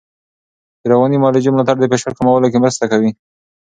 د رواني معالجې ملاتړ د فشار کمولو کې مرسته کوي.